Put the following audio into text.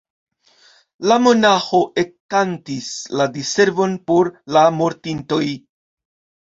La monaĥo ekkantis la Diservon por la mortintoj.